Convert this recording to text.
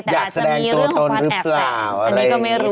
อยากแสดงตัวตนหรือเปล่าอะไรก็ไม่รู้